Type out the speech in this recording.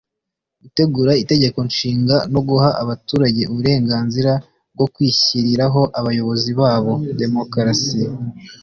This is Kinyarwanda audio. gutegura itegeko nshinga no guha abaturage uburenganzira bwo kwishyiriraho abayobozi babo (démocratie)